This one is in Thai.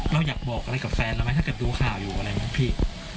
เราอยากบอกอะไรกับแฟนเราไหมถ้าเกิดดูข่าวอยู่อะไรอย่างนี้พี่